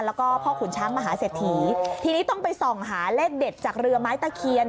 แล้วก็พ่อขุนช้างมหาเศรษฐีทีนี้ต้องไปส่องหาเลขเด็ดจากเรือไม้ตะเคียน